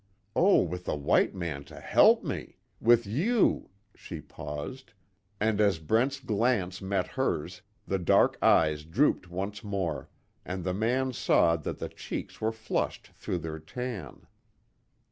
Oh, with a white man to help me! With you " she paused, and as Brent's glance met hers, the dark eyes drooped once more, and the man saw that the cheeks were flushed through their tan.